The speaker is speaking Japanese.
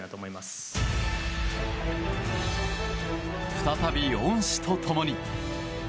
再び恩師と共に。